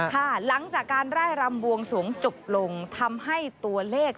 หลังจากการไล่รำบวงสวงจบลงทำให้ตัวเลข